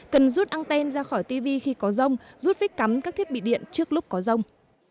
cần rút anten ra khỏi tv khi có rông rút vít cắm các thiết bị điện trước lúc có rông